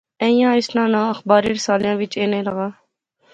ایہھاں اس ناں ناں اخباریں رسالیا وچ اینے لاغا